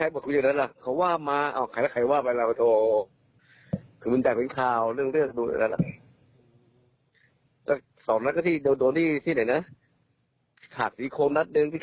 พกพาปืนมีปืน